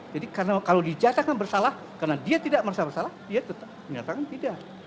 jadi kalau dijadakan bersalah karena dia tidak bersalah bersalah dia tetap menyatakan tidak